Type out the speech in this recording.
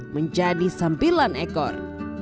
menjadi sembilan ekor